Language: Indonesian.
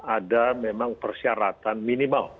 ada memang persyaratan minimal